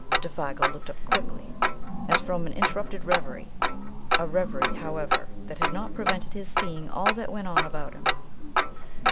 Défago looked up quickly, as from an interrupted reverie, a reverie, however, that had not prevented his seeing all that went on about him.